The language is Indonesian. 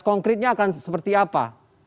konkretnya akan seperti apa